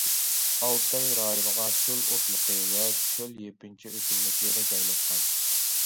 ئالتاي رايونىغا چۆل ئوتلىقى ۋە چۆل يېپىنچا ئۆسۈملۈكلىرى جايلاشقان.